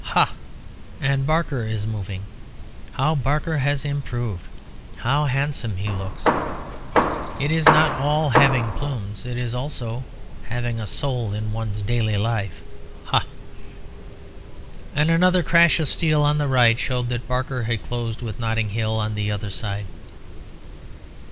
Ha! and Barker is moving. How Barker has improved; how handsome he looks! It is not all having plumes; it is also having a soul in one's daily life. Ha!" And another crash of steel on the right showed that Barker had closed with Notting Hill on the other side.